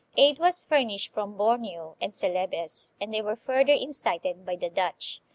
Aid was furnished from Borneo and Celebes, and they were further incited by the Dutch.